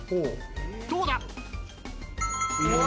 どうだ？